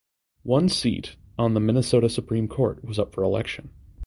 One seat on the Minnesota Supreme Court was up for election.